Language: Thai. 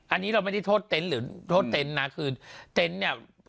อันนี้เราไม่ได้โทษเต็นต์หรือโทษเต็นต์นะคือเต็นต์เนี่ย